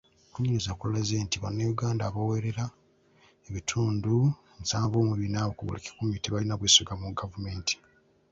Okunoonyereza kulaze nti Bannayuganda abawerera ebitundu nsanvu mu bina ku buli kikumi tebalina bwesige mu gavumenti.